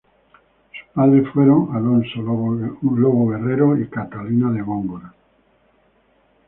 Sus padres fueron Alonso Lobo Guerrero y Catalina de Góngora.